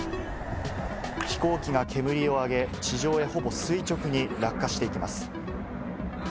飛行機が煙を上げ、地上へほぼ垂直に落下していきます。